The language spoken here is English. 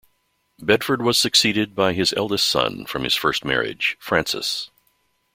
Bedford was succeeded by his eldest son from his first marriage, Francis.